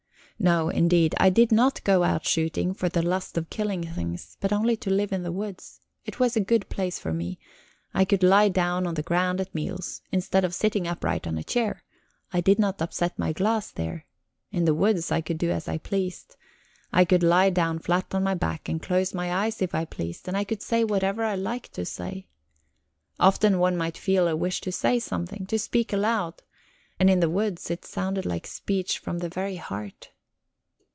No, indeed, I did no go out shooting for the lust of killing things, but only to live in the woods. It was a good place for me; I could lie down on the ground at meals, instead of sitting upright on a chair; I did not upset my glass there. In the woods I could do as I pleased; I could lie down flat on my back and close my eyes if I pleased, and I could say whatever I liked to say. Often one might feel a wish to say something, to speak aloud, and in the woods it sounded like speech from the very heart...